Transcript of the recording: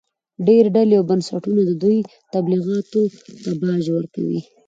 ډېرې ډلې او بنسټونه د دوی تبلیغاتو ته باج ورکوي